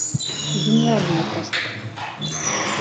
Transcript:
Гениальный тост!